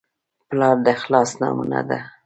پلار د اخلاص نمونه ده.